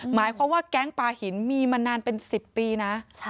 หมายความว่าแก๊งปลาหินมีมานานเป็น๑๐ปีนะ